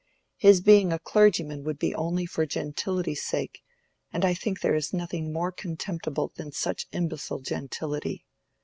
His being a clergyman would be only for gentility's sake, and I think there is nothing more contemptible than such imbecile gentility.